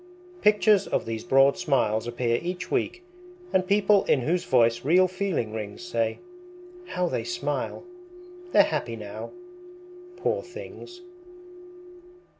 Pictures of these broad smiles appear each week, And people in whose voice real feeling rings Say: How they smile! They're happy now, poor things.